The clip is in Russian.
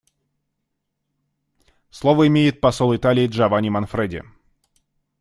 Слово имеет посол Италии Джованни Манфреди.